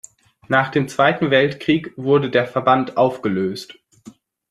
Nach dem Zweiten Weltkrieg wurde der Verband aufgelöst.